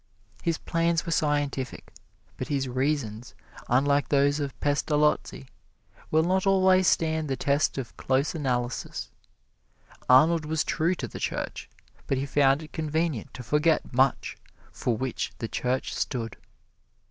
His plans were scientific, but his reasons, unlike those of Pestalozzi, will not always stand the test of close analysis. Arnold was true to the Church, but he found it convenient to forget much for which the Church stood.